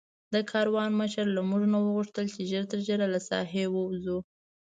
د کاروان مشر له موږ نه وغوښتل چې ژر تر ژره له ساحې ووځو.